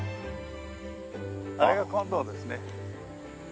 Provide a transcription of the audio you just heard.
あれが金堂ですね。